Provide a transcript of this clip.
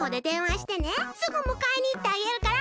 すぐむかえにいってあげるから。